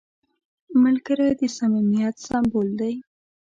ملګری د صمیمیت سمبول دی